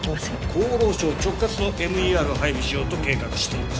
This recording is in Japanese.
厚労省直轄のＭＥＲを配備しようと計画しています